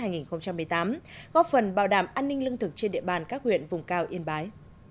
góp phần bảo đảm an ninh lương thực trên địa bàn các huyện vùng cao yên bái